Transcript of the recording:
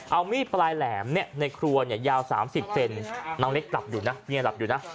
เอามีดปลายแหลมในครัวเนี่ยยาว๓๐เซนน้องเล็กหลับอยู่นะเมียหลับอยู่นะ